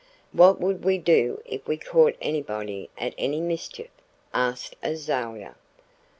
"What would we do if we caught anybody at any mischief?" asked Azalia.